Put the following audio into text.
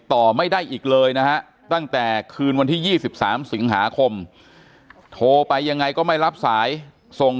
ต่อไม่ได้อีกเลยนะฮะตั้งแต่คืนวันที่๒๓สิงหาคมโทรไปยังไงก็ไม่รับสายส่ง